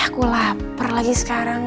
aku lapar lagi sekarang